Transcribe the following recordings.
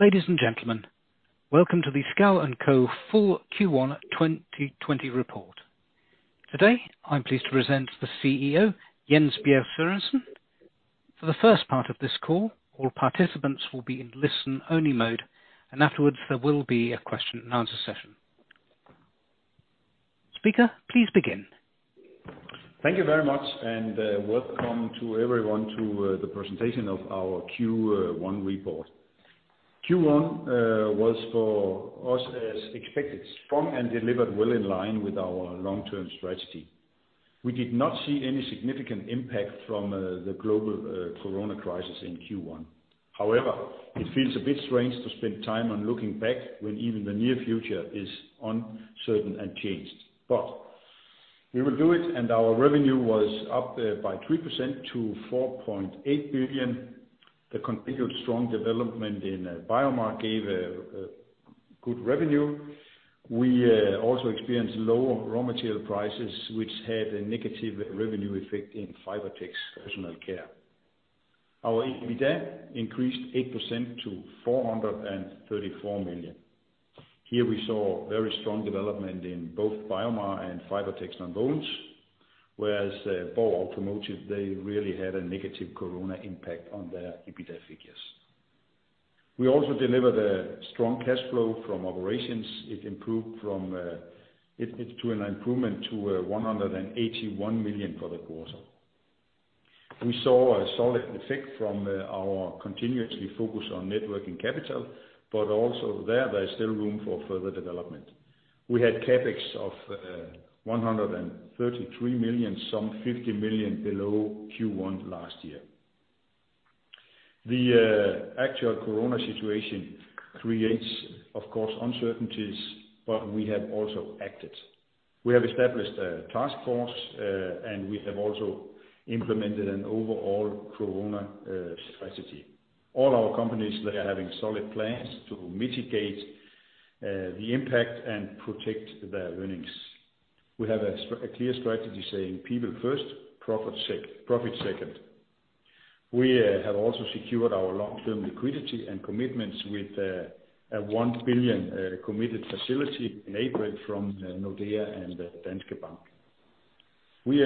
Ladies and gentlemen, welcome to the Schouw & Co. full Q1 2020 report. Today, I'm pleased to present the CEO, Jens Bjerg Sørensen. For the first part of this call, all participants will be in listen-only mode, and afterwards there will be a question and answer session. Speaker, please begin. Thank you very much, and welcome to everyone to the presentation of our Q1 report. Q1 was for us, as expected, strong and delivered well in line with our long-term strategy. We did not see any significant impact from the global Corona crisis in Q1. However, it feels a bit strange to spend time on looking back when even the near future is uncertain and changed. We will do it, and our revenue was up by 3% to 4.8 billion. The continued strong development in BioMar gave a good revenue. We also experienced lower raw material prices, which had a negative revenue effect in Fibertex Personal Care. Our EBITDA increased 8% to 434 million. Here we saw very strong development in both BioMar and Fibertex Nonwovens, whereas BORG Automotive, they really had a negative Corona impact on their EBITDA figures. We also delivered a strong cash flow from operations. It's to an improvement to 181 million for the quarter. We saw a solid effect from our continuous focus on net working capital, also there is still room for further development. We had CapEx of 133 million, some 50 million below Q1 last year. The actual Corona situation creates, of course, uncertainties, we have also acted. We have established a task force, we have also implemented an overall Corona strategy. All our companies, they are having solid plans to mitigate the impact and protect their earnings. We have a clear strategy saying people first, profit second. We have also secured our long-term liquidity and commitments with a 1 billion committed facility enabled from Nordea and Danske Bank. We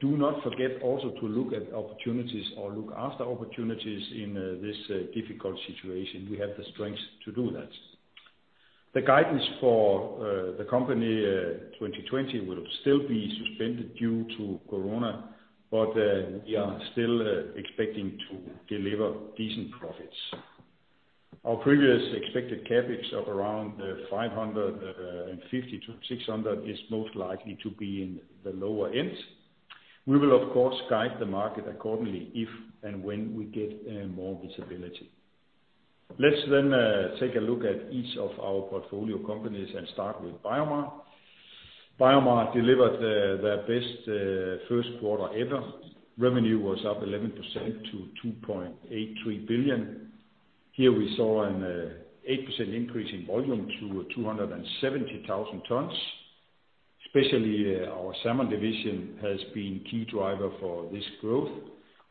do not forget also to look at opportunities or look after opportunities in this difficult situation. We have the strength to do that. The guidance for the company 2020 will still be suspended due to COVID, but we are still expecting to deliver decent profits. Our previous expected CapEx of around 550-600 is most likely to be in the lower end. We will, of course, guide the market accordingly if and when we get more visibility. Let's take a look at each of our portfolio companies and start with BioMar. BioMar delivered their best first quarter ever. Revenue was up 11% to 2.83 billion. Here we saw an 8% increase in volume to 270,000 tons. Especially our Salmon division has been a key driver for this growth,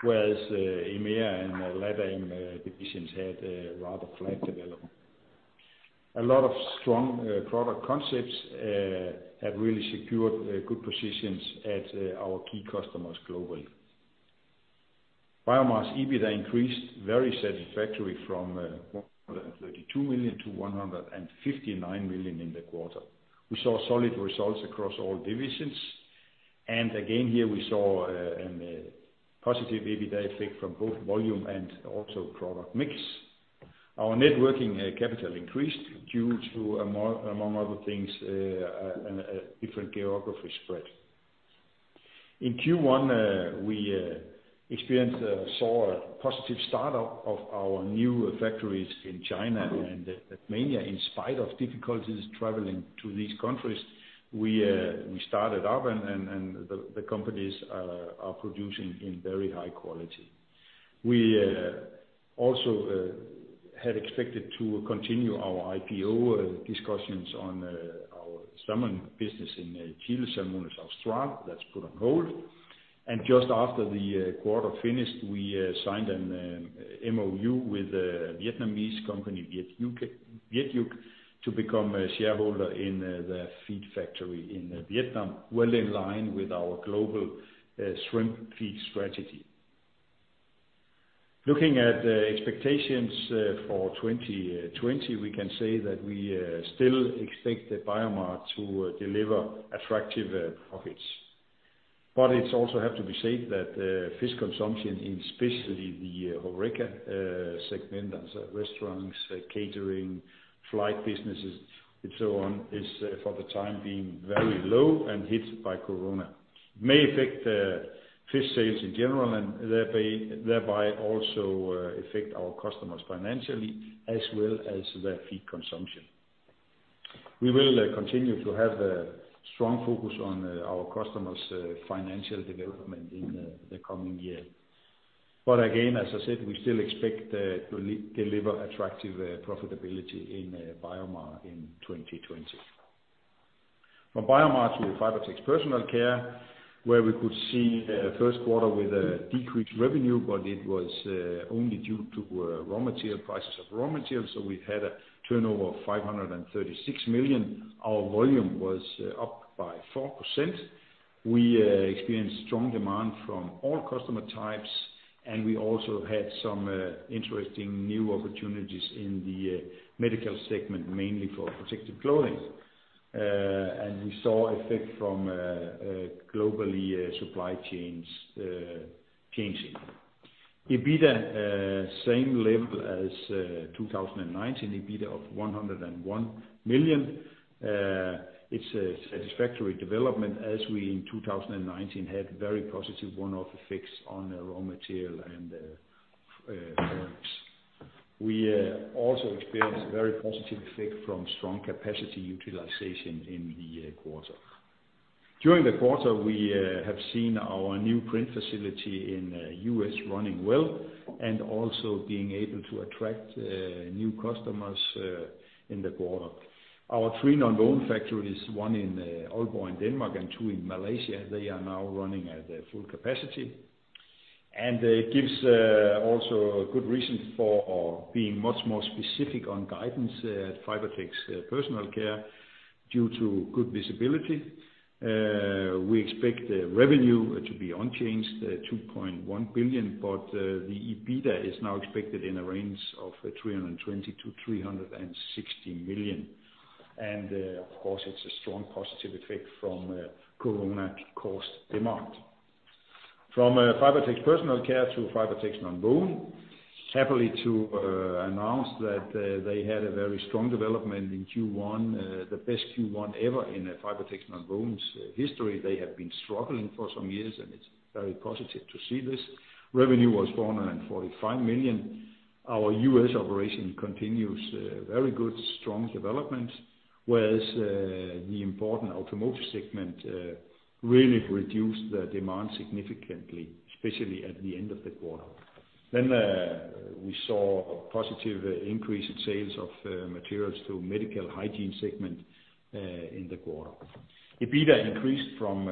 whereas EMEA and Latin divisions had a rather flat development. A lot of strong product concepts have really secured good positions at our key customers globally. BioMar's EBITDA increased very satisfactorily from 132 million to 159 million in the quarter. We saw solid results across all divisions. Again, here we saw a positive EBITDA effect from both volume and also product mix. Our net working capital increased due to, among other things, a different geography spread. In Q1, we saw a positive start-up of our new factories in China and Romania. In spite of difficulties traveling to these countries, we started up, and the companies are producing in very high quality. We also had expected to continue our IPO discussions on our salmon business in Chile, Salmones Austral. That's put on hold. Just after the quarter finished, we signed an MOU with a Vietnamese company, Viet-Uc, to become a shareholder in the feed factory in Vietnam, well in line with our global shrimp feed strategy. Looking at the expectations for 2020, we can say that we still expect BioMar to deliver attractive profits. It also has to be said that fish consumption, in especially the HORECA segment, that's restaurants, catering, flight businesses, and so on, is for the time being very low and hit by Corona. It may affect fish sales in general, and thereby also affect our customers financially, as well as their feed consumption. We will continue to have a strong focus on our customers' financial development in the coming year. Again, as I said, we still expect to deliver attractive profitability in BioMar in 2020. From BioMar to Fibertex Personal Care, where we could see the first quarter with a decreased revenue, it was only due to raw material prices of raw materials. We had a turnover of 536 million. Our volume was up by 4%. We experienced strong demand from all customer types, and we also had some interesting new opportunities in the medical segment, mainly for protective clothing. We saw effect from globally supply chains changing. EBITDA, same level as 2019, EBITDA of 101 million. It's a satisfactory development as we in 2019 had very positive one-off effects on raw material and forex. We also experienced a very positive effect from strong capacity utilization in the quarter. During the quarter, we have seen our new print facility in U.S. running well and also being able to attract new customers in the quarter. Our three nonwoven factories, one in Aalborg in Denmark and two in Malaysia, they are now running at full capacity. It gives also a good reason for being much more specific on guidance at Fibertex Personal Care due to good visibility. We expect the revenue to be unchanged, 2.1 billion, but the EBITDA is now expected in a range of 320 million-360 million. Of course, it's a strong positive effect from COVID caused demand from Fibertex Personal Care to Fibertex Nonwovens. Happily to announce that they had a very strong development in Q1, the best Q1 ever in Fibertex Nonwovens' history. They have been struggling for some years, and it's very positive to see this. Revenue was 445 million. Our U.S. operation continues very good, strong development, whereas the important automotive segment really reduced the demand significantly, especially at the end of the quarter. We saw a positive increase in sales of materials to medical hygiene segment in the quarter. EBITDA increased from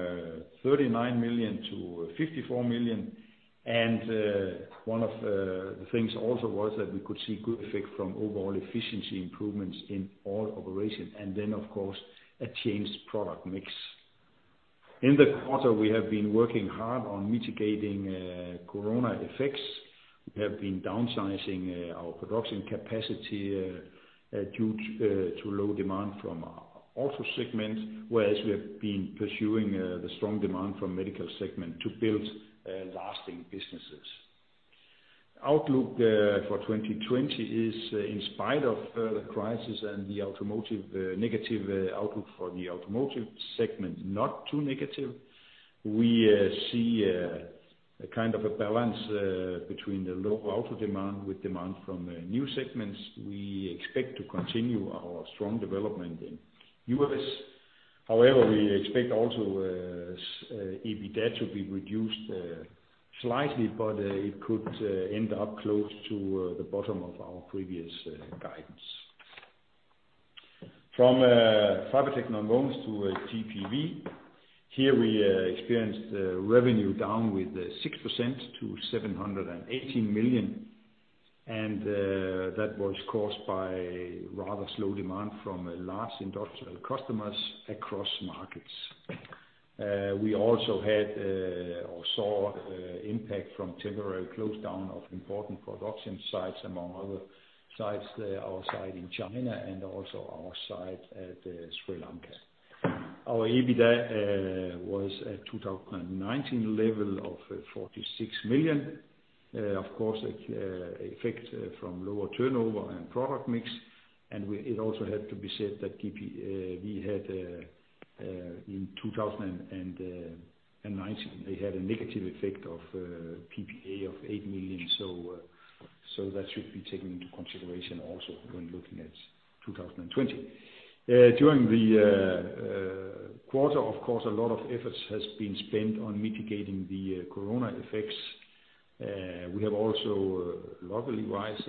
39 million to 54 million, and one of the things also was that we could see good effect from overall efficiency improvements in all operations, and then, of course, a changed product mix. In the quarter, we have been working hard on mitigating COVID effects. We have been downsizing our production capacity due to low demand from automotive segment, whereas we have been pursuing the strong demand from MedTech segment to build lasting businesses. Outlook for 2020 is, in spite of the crisis and the automotive negative outlook for the automotive segment, not too negative. We see a kind of a balance between the low automotive demand with demand from new segments. We expect to continue our strong development in U.S. However, we expect also EBITDA to be reduced slightly, but it could end up close to the bottom of our previous guidance. From Fibertex Nonwovens to GPV. Here we experienced revenue down with 6% to 718 million, and that was caused by rather slow demand from large industrial customers across markets. We also had or saw impact from temporary close down of important production sites, among other sites, our site in China and also our site at Sri Lanka. Our EBITDA was at 2019 level of 46 million. Of course, effect from lower turnover and product mix. It also had to be said that we had in 2019, they had a negative effect of PPA of 8 million. That should be taken into consideration also when looking at 2020. During the quarter, of course, a lot of efforts has been spent on mitigating the COVID effects. We have also, luckily wise,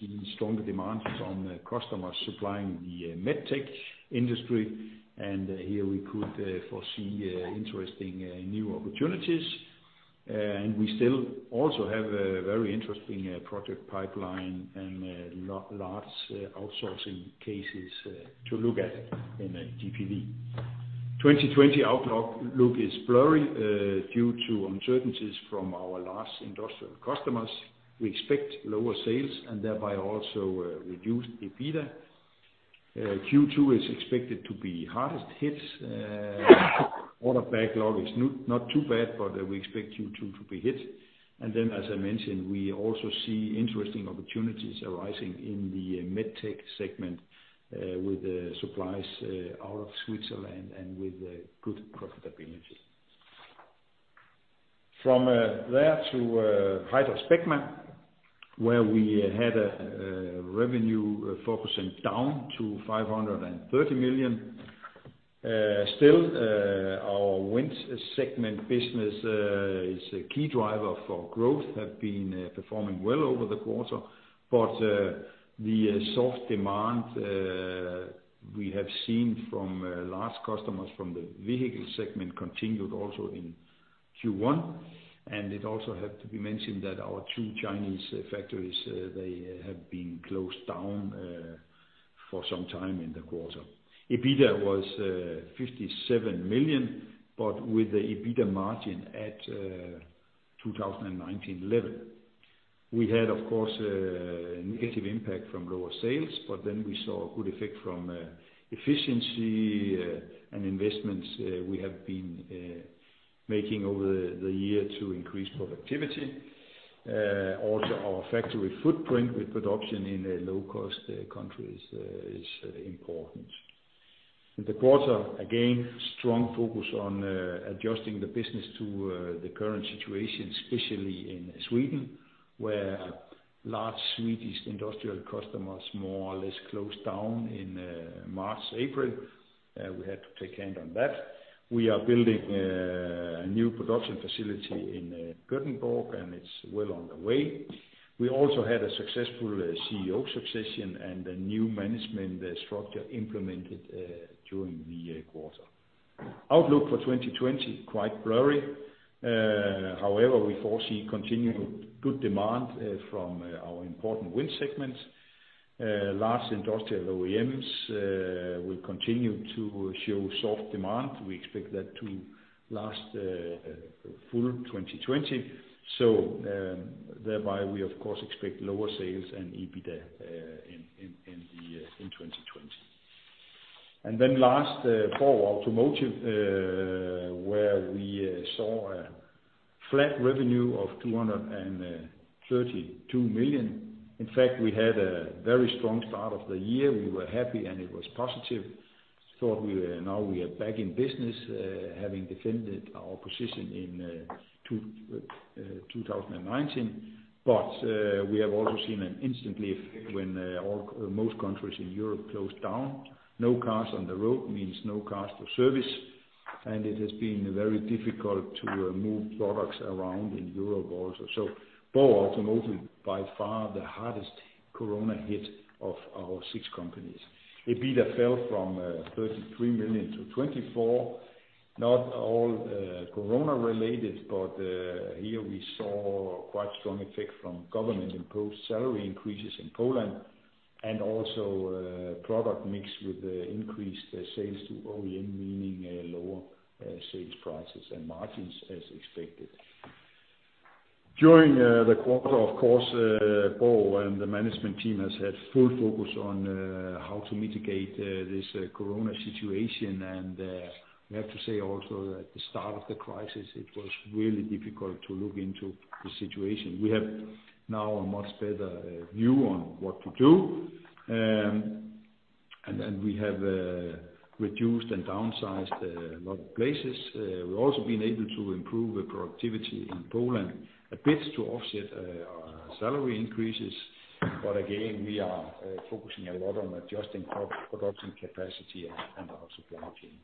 seen stronger demand from customers supplying the MedTech industry, and here we could foresee interesting new opportunities. We still also have a very interesting project pipeline and large outsourcing cases to look at in GPV. 2020 outlook is blurry, due to uncertainties from our large industrial customers. We expect lower sales and thereby also reduced EBITDA. Q2 is expected to be hardest hit. Order backlog is not too bad, but we expect Q2 to be hit. Then, as I mentioned, we also see interesting opportunities arising in the MedTech segment, with supplies out of Switzerland and with good profitability. From there to HydraSpecma, where we had a revenue 4% down to DKK 530 million. StillWind segment business is a key driver for growth, have been performing well over the quarter. The soft demand we have seen from large customers from the vehicle segment continued also in Q1. It also had to be mentioned that our two Chinese factories, they have been closed down for some time in the quarter. EBITDA was 57 million, but with the EBITDA margin at 2019 level. We had, of course, a negative impact from lower sales, but then we saw a good effect from efficiency and investments we have been making over the year to increase productivity. Also, our factory footprint with production in low-cost countries is important. In the quarter, again, strong focus on adjusting the business to the current situation, especially in Sweden, where large Swedish industrial customers more or less closed down in March, April. We had to take a hit on that. We are building a new production facility in Gothenburg, and it's well on the way. We also had a successful CEO succession and a new management structure implemented during the quarter. Outlook for 2020, quite blurry. However, we foresee continued good demand from our important wind segments. Large industrial OEMs will continue to show soft demand. We expect that to last full 2020. thereby, we of course expect lower sales and EBITDA in 2020. last, BORG Automotive, where we saw a flat revenue of 232 million. In fact, we had a very strong start of the year. We were happy, and it was positive. Though now we are back in business, having defended our position in 2019. we have also seen an instant effect when most countries in Europe closed down. No cars on the road means no cars for service, and it has been very difficult to move products around in Europe also. BORG Automotive, by far the hardest Corona hit of our six companies. EBITDA fell from 33 million to 24 million. Not all Corona related, but here we saw quite strong effect from government-imposed salary increases in Poland and also product mix with increased sales to OEM, meaning lower sales prices and margins as expected. During the quarter, of course, Borg and the management team has had full focus on how to mitigate this Corona situation. We have to say also that at the start of the crisis, it was really difficult to look into the situation. We have now a much better view on what to do, and we have reduced and downsized a lot of places. We've also been able to improve productivity in Poland a bit to offset our salary increases. Again, we are focusing a lot on adjusting production capacity and our supply chain.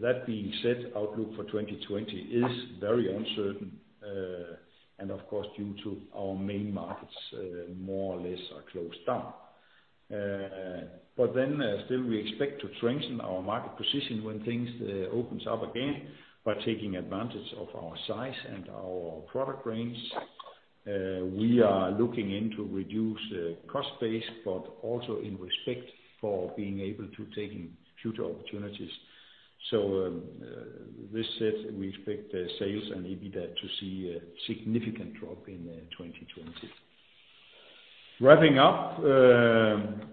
That being said, outlook for 2020 is very uncertain and of course due to our main markets more or less are closed down. Still we expect to strengthen our market position when things opens up again by taking advantage of our size and our product range. We are looking into reduce cost base, but also in respect for being able to take in future opportunities. With this said, we expect sales and EBITDA to see a significant drop in 2020. Wrapping up.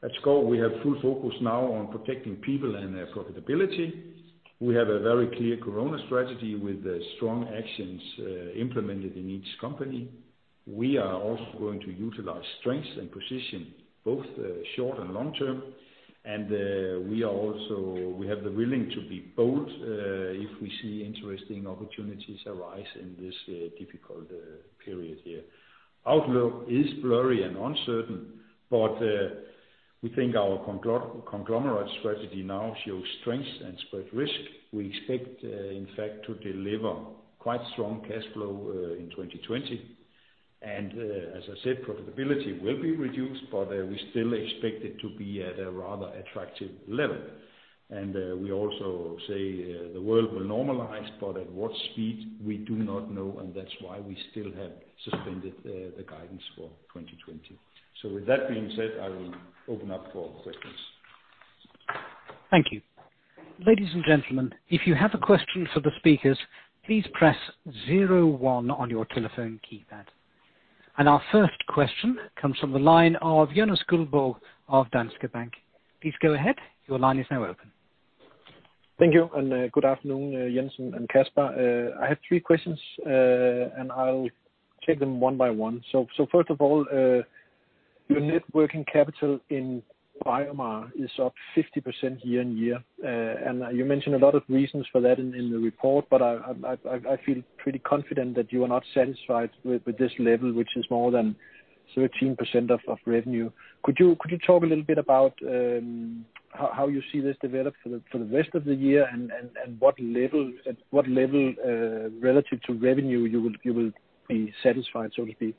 At Schouw, we have full focus now on protecting people and their profitability. We have a very clear Corona strategy with strong actions implemented in each company. We are also going to utilize strengths and position both short and long term. We have the willing to be bold if we see interesting opportunities arise in this difficult period here. Outlook is blurry and uncertain. We think our conglomerate strategy now shows strength and spread risk. We expect in fact to deliver quite strong cash flow in 2020. As I said, profitability will be reduced, but we still expect it to be at a rather attractive level. We also say the world will normalize, but at what speed, we do not know, and that's why we still have suspended the guidance for 2020. With that being said, I will open up for questions. Thank you. Ladies and gentlemen, if you have a question for the speakers, please press zero one on your telephone keypad. Our first question comes from the line of Jonas Guldborg of Danske Bank. Please go ahead. Your line is now open. Thank you, good afternoon, Jens and Casper. I have three questions, I'll take them one by one. First of all, your net working capital in BioMar is up 50% year-on-year. You mentioned a lot of reasons for that in the report, I feel pretty confident that you are not satisfied with this level, which is more than 13% of revenue. Could you talk a little bit about how you see this develop for the rest of the year, what level relative to revenue you will be satisfied, so to speak?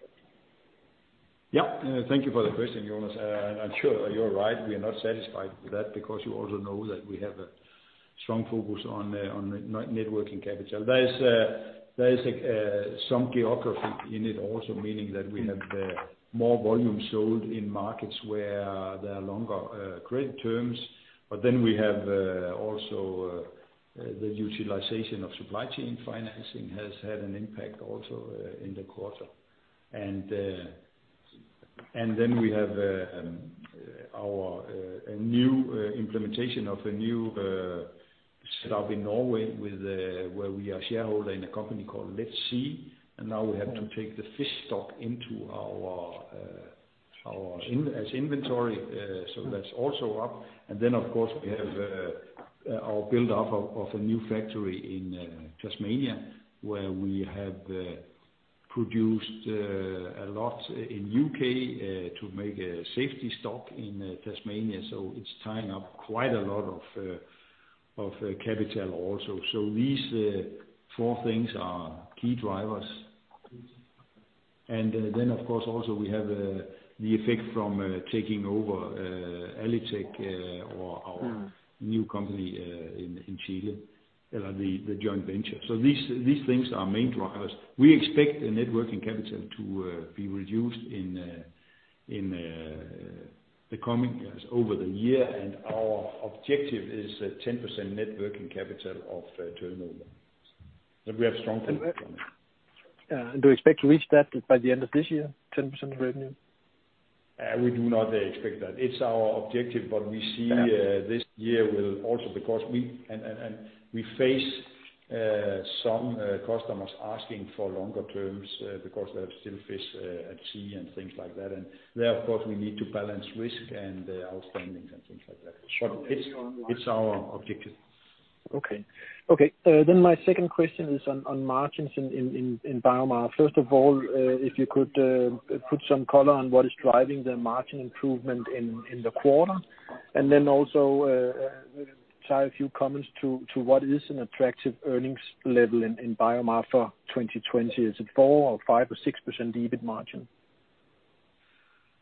Thank you for the question, Jonas. I'm sure you're right. We are not satisfied with that because you also know that we have a strong focus on net working capital. There is some geography in it also, meaning that we have more volume sold in markets where there are longer credit terms. We have also the utilization of supply chain financing has had an impact also in the quarter. We have our new implementation of a new setup in Norway where we are shareholder in a company called LetSea, and now we have to take the fish stock as inventory. That's also up. Of course, we have our build-up of a new factory in Tasmania, where we have produced a lot in U.K. to make a safety stock in Tasmania. It's tying up quite a lot of capital also. These four things are key drivers. Of course, also we have the effect from taking over Alitec or our new company, in Chile, the joint venture. These things are main drivers. We expect the net working capital to be reduced over the year, and our objective is 10% net working capital of turnover. We have strong focus on it. Do you expect to reach that by the end of this year, 10% revenue? We do not expect that. It's our objective, but we see this year will also We face some customers asking for longer terms because they have still fish at sea and things like that. There, of course, we need to balance risk and outstandings and things like that. It's our objective. Okay. my second question is on margins in BioMar. First of all, if you could put some color on what is driving the margin improvement in the quarter, and then also try a few comments to what is an attractive earnings level in BioMar for 2020. Is it 4% or 5% or 6% EBIT margin?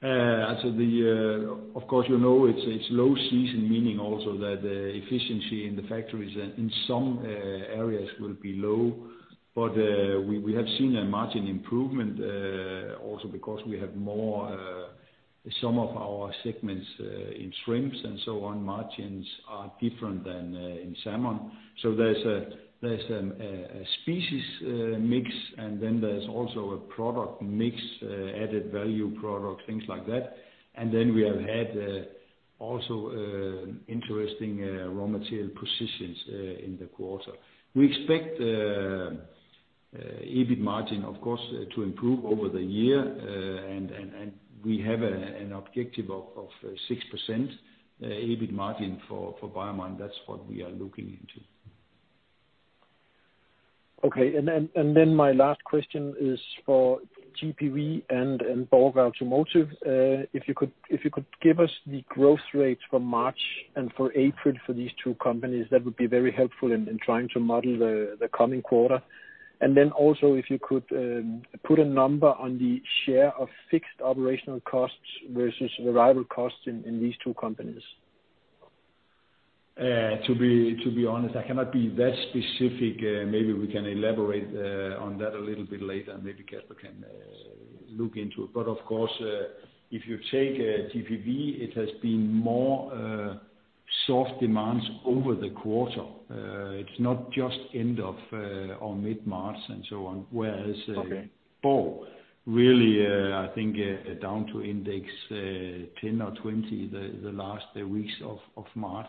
Of course, you know it's low season, meaning also that efficiency in the factories in some areas will be low. We have seen a margin improvement, also because we have more some of our segments in shrimps and so on, margins are different than in salmon. There's a species mix, and then there's also a product mix, added value product, things like that. We have had also interesting raw material positions in the quarter. We expect the EBIT margin, of course, to improve over the year, and we have an objective of 6% EBIT margin for BioMar. That's what we are looking into. Okay. my last question is for GPV and Borg Automotive. If you could give us the growth rates for March and for April for these two companies, that would be very helpful in trying to model the coming quarter. also if you could put a number on the share of fixed operational costs versus variable costs in these two companies. To be honest, I cannot be that specific. Maybe we can elaborate on that a little bit later, and maybe Casper can look into it. Of course, if you take GPV, it has been more soft demands over the quarter. It's not just end of or mid-March and so on. Whereas, Borg, really, I think, down to index 10% or 20% the last weeks of March.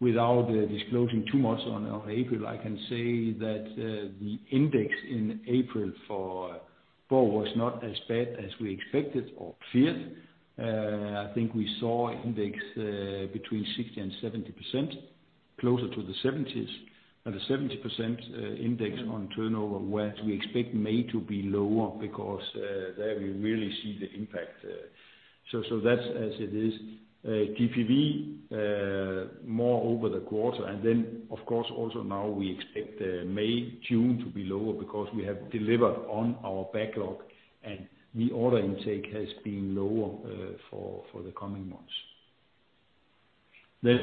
Without disclosing too much on April, I can say that the index in April for Borg was not as bad as we expected or feared. I think we saw index between 60% and 70%, closer to the 70s. At a 70% index on turnover, whereas we expect May to be lower because there we really see the impact. That's as it is. GPV, more over the quarter. Of course, also now we expect May, June to be lower because we have delivered on our backlog, and the order intake has been lower for the coming months.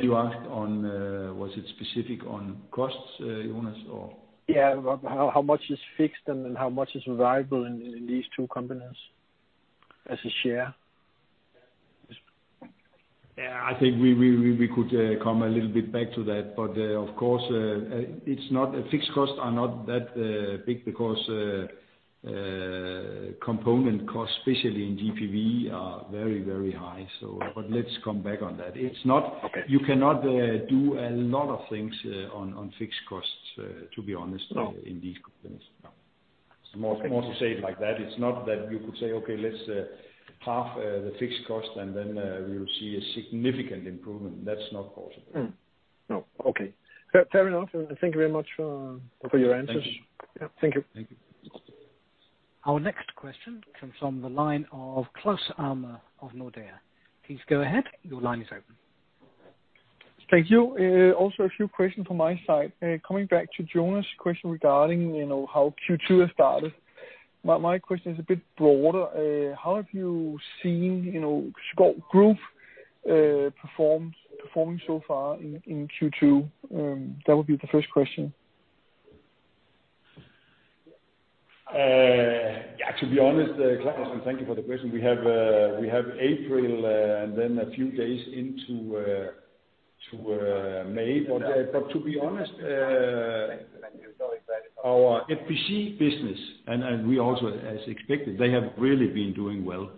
You asked on, was it specific on costs, Jonas, or? Yeah. How much is fixed and how much is variable in these two companies as a share? Yeah, I think we could come a little bit back to that, but of course, fixed costs are not that big because component costs, especially in GPV, are very, very high, so. Let's come back on that. Okay. You cannot do a lot of things on fixed costs, to be honest. No in these companies. No. More to say it like that, it's not that you could say, "Okay, let's half the fixed cost, and then we will see a significant improvement." That's not possible. No. Okay. Fair enough. Thank you very much for your answers. Thank you. Yeah. Thank you. Thank you. Our next question comes from the line of Claus Almer of Nordea. Please go ahead. Your line is open. Thank you. Also a few questions from my side. Coming back to Jonas' question regarding how Q2 has started. My question is a bit broader. How have you seen Schouw group performing so far in Q2? That would be the first question. To be honest, Claus, and thank you for the question. We have April and then a few days into May. to be honest, our FPC business, and we also, as expected, they have really been doing well.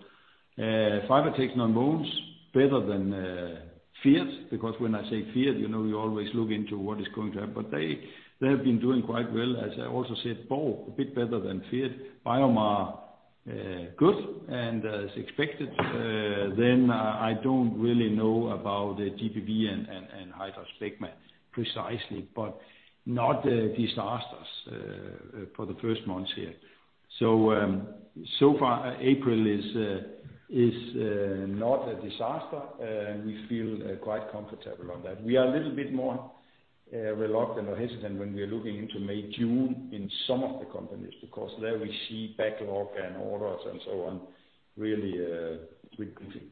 Fibertex Nonwovens, better than feared, because when I say feared, you always look into what is going to happen. they have been doing quite well. As I also said, both, a bit better than feared. BioMar, good and as expected. I don't really know about the GPV and HydraSpecma segment precisely, but not disasters for the first months here. far, April is not a disaster. We feel quite comfortable on that. We are a little bit more reluctant or hesitant when we are looking into May, June in some of the companies, because there we see backlog and orders and so on really reducing.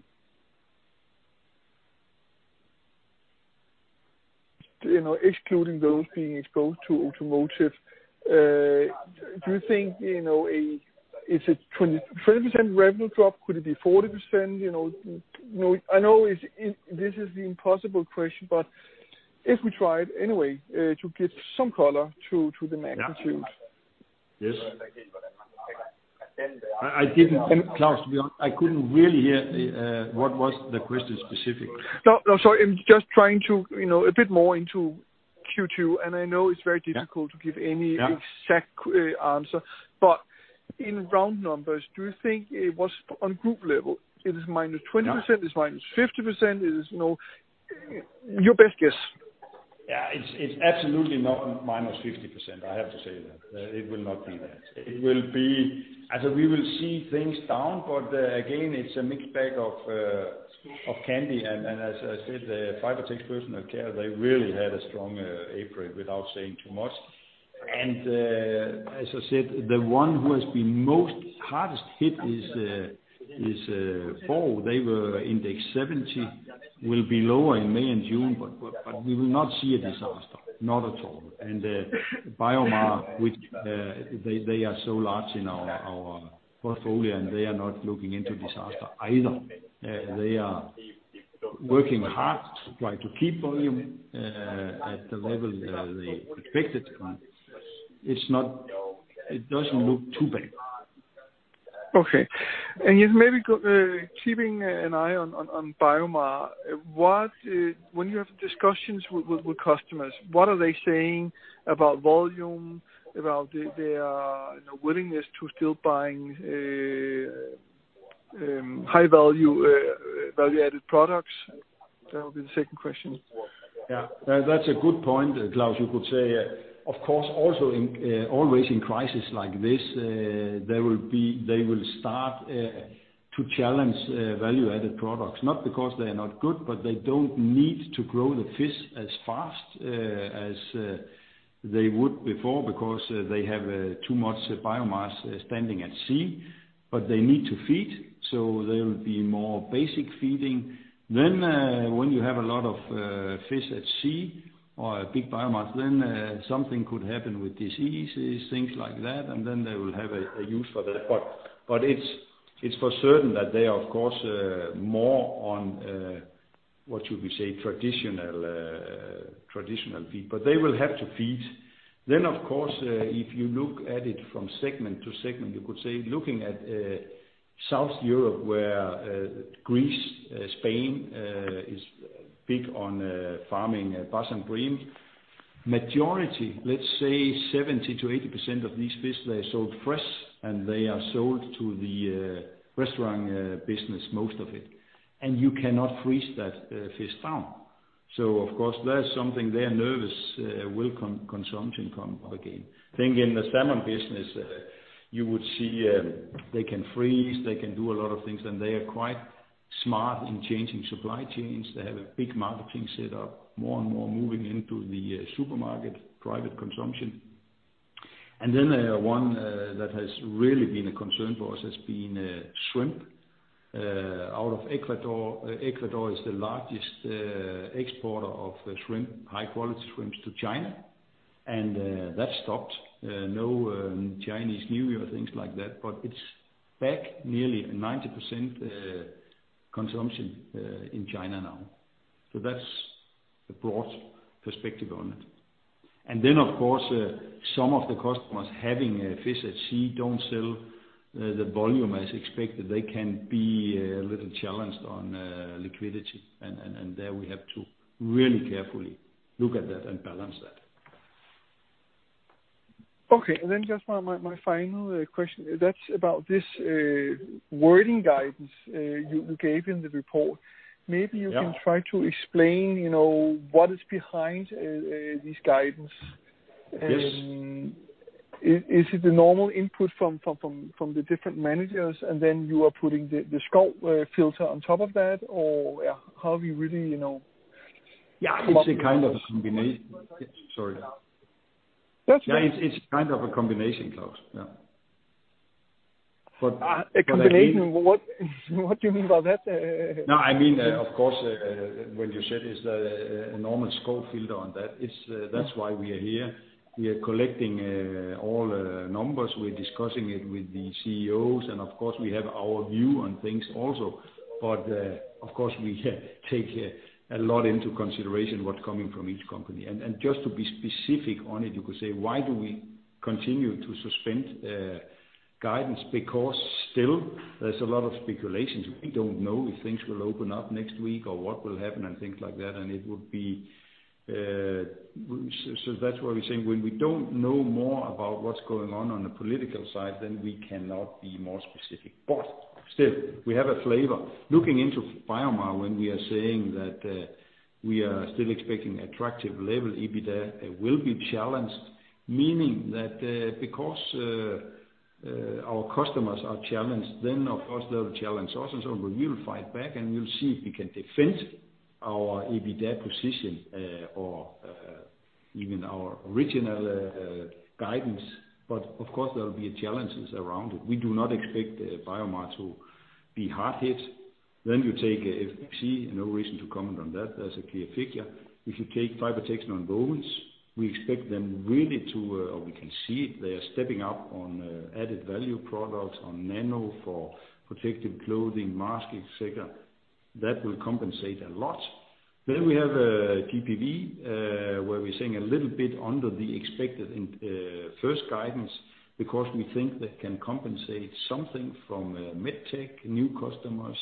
Excluding those being exposed to automotive, do you think, is it 20% revenue drop? Could it be 40%? I know this is the impossible question, but if we tried anyway to give some color to the magnitude. Yes. Claus, I couldn't really hear what was the question specifically. No, sorry. A bit more into Q2, and I know it's very difficult to give any exact answer, but in round numbers, do you think it was on group level? It is -20%, it's -50%? Your best guess. Yeah, it's absolutely not -50%. I have to say that. It will not be that. We will see things down, but again, it's a mixed bag of candy. As I said, the Fibertex Personal Care, they really had a strong April, without saying too much. As I said, the one who has been most hardest hit is Borg. They were index 70, will be lower in May and June, but we will not see a disaster. Not at all. BioMar, they are so large in our portfolio, and they are not looking into disaster either. They are working hard to try to keep volume at the level they expected. It doesn't look too bad. Okay. Maybe keeping an eye on BioMar. When you have discussions with customers, what are they saying about volume, about their willingness to still buying high-value added products? That will be the second question. Yeah, that's a good point, Claus. You could say, of course, also always in crisis like this, they will start to challenge value-added products. Not because they are not good, but they don't need to grow the fish as fast as they would before, because they have too much biomass standing at sea. they need to feed, so there will be more basic feeding. when you have a lot of fish at sea or a big biomass, then something could happen with diseases, things like that, and then they will have a use for that. it's for certain that they are, of course, more on, what should we say, traditional feed. they will have to feed. of course, if you look at it from segment to segment, you could say looking at South Europe, where Greece, Spain is big on farming bass and bream. Majority, let's say 70%-80% of these fish, they are sold fresh, and they are sold to the restaurant business, most of it. You cannot freeze that fish down. Of course, that's something they are nervous, will consumption come again? I think in the salmon business, you would see they can freeze, they can do a lot of things, and they are quite smart in changing supply chains. They have a big marketing set up, more and more moving into the supermarket, private consumption. One that has really been a concern for us has been shrimp. Out of Ecuador. Ecuador is the largest exporter of the shrimp, high-quality shrimps to China. That stopped. No Chinese New Year, things like that. It's back nearly 90% consumption in China now. That's the broad perspective on it. of course, some of the customers having fish at sea don't sell the volume as expected. They can be a little challenged on liquidity. there we have to really carefully look at that and balance that. Okay. just my final question. That's about this wording guidance you gave in the report. Maybe you can try to explain what is behind this guidance. Yes. Is it the normal input from the different managers, and then you are putting the Schouw & Co filter on top of that? How are we really- Yeah, it's a kind of a combination. Sorry. That's okay. It's kind of a combination, Claus. Yeah. A combination. What do you mean by that? No, I mean, of course, when you said, is there a normal Schouw & Co filter on that? That's why we are here. We are collecting all the numbers. We're discussing it with the CEOs, and of course, we have our view on things also. Of course, we take a lot into consideration what's coming from each company. Just to be specific on it, you could say, why do we continue to suspend guidance? Because still there's a lot of speculations. We don't know if things will open up next week or what will happen and things like that. That's why we're saying, when we don't know more about what's going on the political side, then we cannot be more specific. Still, we have a flavor. Looking into BioMar, when we are saying that we are still expecting attractive level EBITDA, it will be challenged, meaning that because our customers are challenged, then of course, they'll challenge us, and so we will fight back, and we'll see if we can defend our EBITDA position or even our original guidance. of course, there will be challenges around it. We do not expect BioMar to be hard hit. you take FPC, no reason to comment on that. That's a clear figure. If you take Fibertex and nonwovens, we expect them really to We can see it. They are stepping up on added value products, on nano for protective clothing, masks, et cetera. That will compensate a lot. we have GPV, where we're seeing a little bit under the expected first guidance because we think they can compensate something from MedTech, new customers.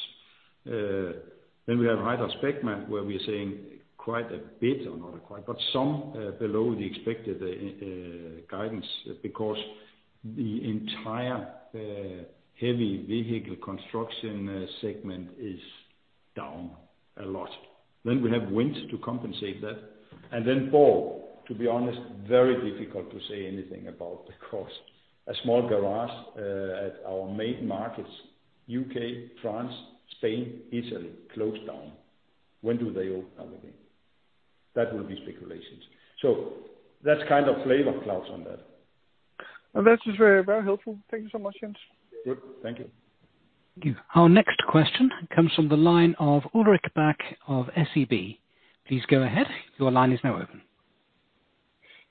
We have HydraSpecma, where we're seeing quite a bit, or not quite, but some below the expected guidance because the entire heavy vehicle construction segment is down a lot. We have wind to compensate that. Well, to be honest, very difficult to say anything about because, a small garage at our main markets, U.K., France, Spain, Italy, closed down. When do they open up again? That will be speculations. That's kind of flavor, Claus, on that. That is very helpful. Thank you so much, Jens. Good. Thank you. Thank you. Our next question comes from the line of Ulrik Bak of SEB. Please go ahead. Your line is now open.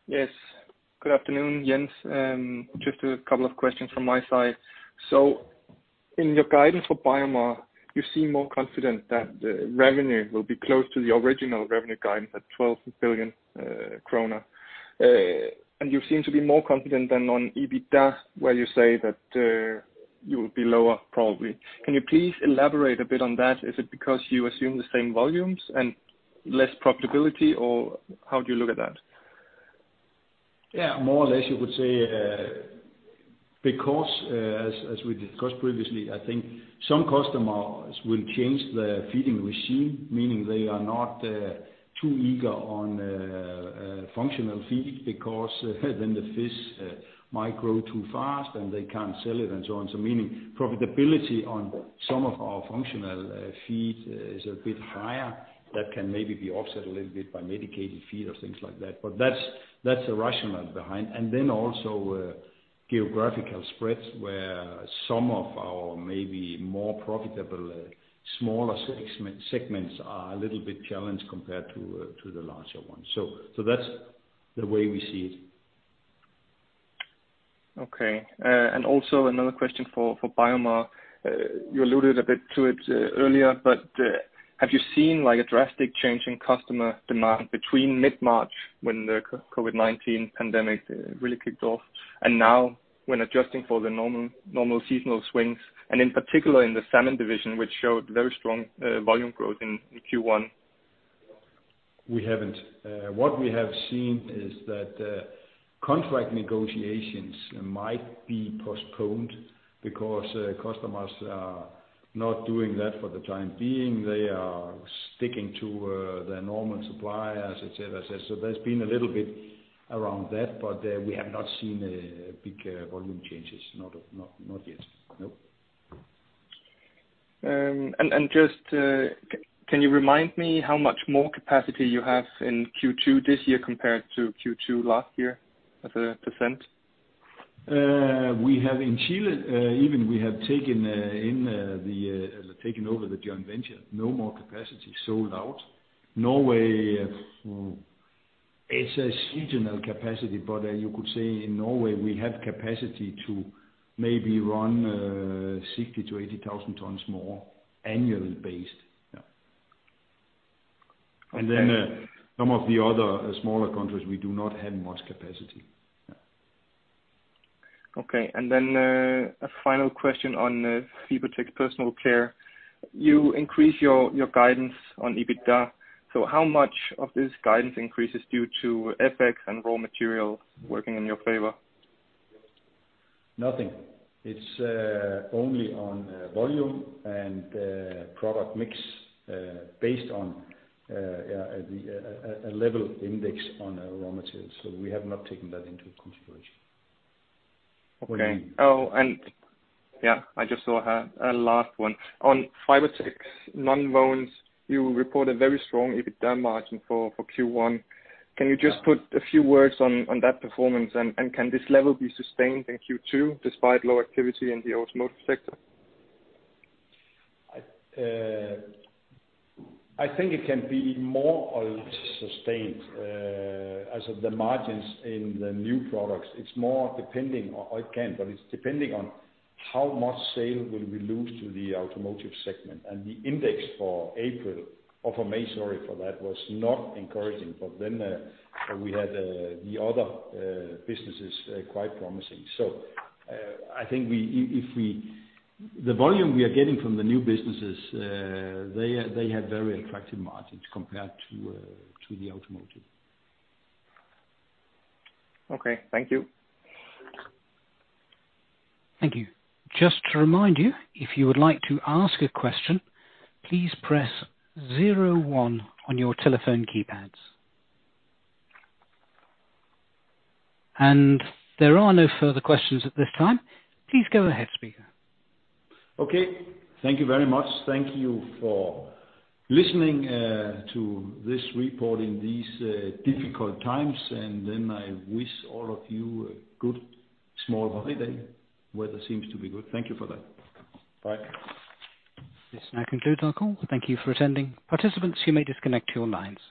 Yes. Good afternoon, Jens. Just a couple of questions from my side. In your guidance for BioMar, you seem more confident that the revenue will be close to the original revenue guidance at 12 billion kroner. You seem to be more confident than on EBITDA, where you say that you will be lower, probably. Can you please elaborate a bit on that? Is it because you assume the same volumes and less profitability, or how do you look at that? Yeah, more or less you would say, because as we discussed previously, I think some customers will change their feeding machine, meaning they are not too eager on functional feed because then the fish might grow too fast, and they can't sell it and so on. Profitability on some of our functional feed is a bit higher. That can maybe be offset a little bit by medicated feed or things like that. That's the rationale behind. Also geographical spreads where some of our maybe more profitable smaller segments are a little bit challenged compared to the larger ones. That's the way we see it. Okay. Also another question for BioMar. You alluded a bit to it earlier, but have you seen a drastic change in customer demand between mid-March, when the COVID-19 pandemic really kicked off, and now when adjusting for the normal seasonal swings, and in particular in the salmon division, which showed very strong volume growth in Q1? We haven't. What we have seen is that contract negotiations might be postponed because customers are not doing that for the time being. They are sticking to their normal suppliers, et cetera. There's been a little bit around that, but we have not seen big volume changes. Not yet. No. just, can you remind me how much more capacity you have in Q2 this year compared to Q2 last year as a percent? In Chile, even we have taken over the joint venture. No more capacity. Sold out. Norway, it's a seasonal capacity, but you could say in Norway we have capacity to maybe run 60,000-80,000 tons more annually based. Yeah. Okay. Some of the other smaller countries, we do not have much capacity. Okay. A final question on Fibertex Personal Care. You increase your guidance on EBITDA. How much of this guidance increase is due to FX and raw material working in your favor? Nothing. It's only on volume and product mix based on a level index on raw materials. We have not taken that into consideration. On Fibertex Nonwovens, you report a very strong EBITDA margin for Q1. Can you just put a few words on that performance, and can this level be sustained in Q2 despite low activity in the automotive sector? I think it can be more or less sustained as of the margins in the new products. It can, but it's depending on how much sale will we lose to the automotive segment. The index for April, or for May, sorry for that, was not encouraging. We had the other businesses quite promising. I think the volume we are getting from the new businesses, they have very attractive margins compared to the automotive. Okay. Thank you. Thank you. Just to remind you, if you would like to ask a question, please press zero one on your telephone keypads. There are no further questions at this time. Please go ahead, speaker. Okay. Thank you very much. Thank you for listening to this report in these difficult times. I wish all of you a good small holiday. Weather seems to be good. Thank you for that. Bye. This now concludes our call. Thank you for attending. Participants, you may disconnect your lines.